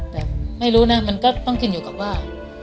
แต่ไม่รู้นะมันก็ต้องขึ้นอยู่กับว่า